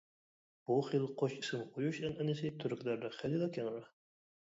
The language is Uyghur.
بۇ خىل قوش ئىسىم قويۇش ئەنئەنىسى تۈركلەردە خېلىلا كەڭرى.